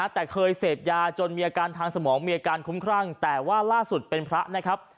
แต่เคยเสพยาจนมีอาการทางสมองมีอาการคุ้มครั่งแต่ว่าล่าสุดเป็นพระนะครับ